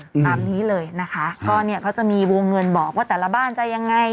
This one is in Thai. ตามนี้เลยนะคะก็เนี่ยเขาจะมีวงเงินบอกว่าแต่ละบ้านจะยังไง